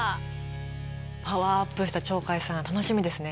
パワーアップした鳥海さん楽しみですね。